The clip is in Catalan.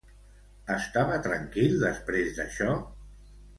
Estava tranquil després d'això?